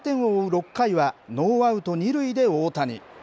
６回は、ノーアウト２塁で大谷。